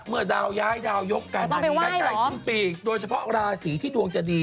เมื่อดาวย้ายดาวยกลายเท่าไหร่จนครึ่งปีโดยเฉพาะอครสีที่ดวงจะดี